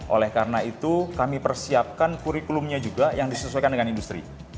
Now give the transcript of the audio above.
oleh karena itu kami persiapkan kurikulumnya juga yang disesuaikan dengan industri